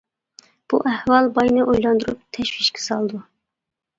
بۇ ئەھۋال باينى ئويلاندۇرۇپ تەشۋىشكە سالىدۇ.